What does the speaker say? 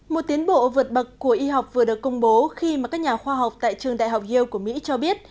một tiến bộ vượt bậc của y học vừa được công bố khi mà các nhà khoa học tại trường đại học yeo của mỹ cho biết